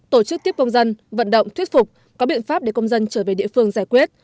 tổ chức tiếp công dân vận động thuyết phục có biện pháp để công dân trở về địa phương giải quyết